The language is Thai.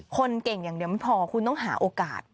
คนเก่งอย่างเดียวไม่พอคุณต้องหาโอกาส